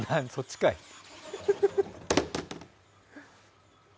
そっちかい！